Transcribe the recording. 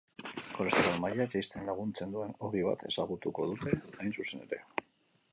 Kolesterol maila jaisten laguntzen duen ogi bat ezagutuko dute hain zuzen ere.